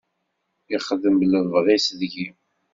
Yexdem lebɣi-s deg-i.